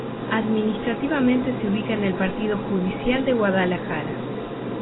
Administrativamente se ubica en el partido judicial de Guadalajara.